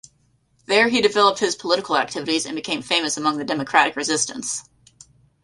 There, he developed his political activities and became famous among the democratic resistance.